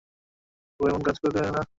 ও এমন কাজ কক্ষনো করবে না।